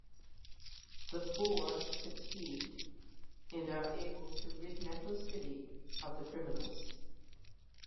The four succeed, and are able to rid Metro City of the criminals.